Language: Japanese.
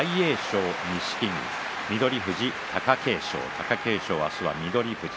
貴景勝は明日は翠富士。